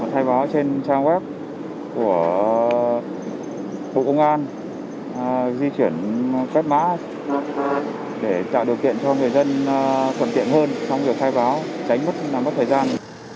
khai báo trên trang web của bộ công an di chuyển quét mã để tạo điều kiện cho người dân thuận tiện hơn trong việc khai báo tránh mất thời gian